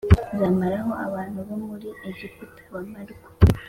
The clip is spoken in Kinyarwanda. Nzamaraho abantu bo muri Egiputa bamarwe